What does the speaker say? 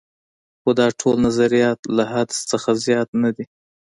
خو دا ټول نظریات له حدس څخه زیات نه دي.